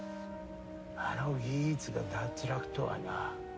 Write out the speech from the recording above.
あのギーツが脱落とはな。